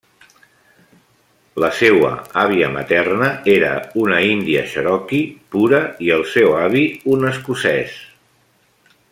La seua àvia materna era una índia cherokee pura i el seu avi, un escocès.